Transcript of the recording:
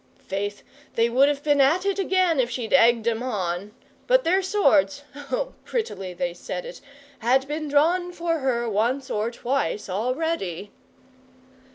Faith, they would have been at it again if she'd egged 'em on! but their swords oh, prettily they said it! had been drawn for her once or twice already.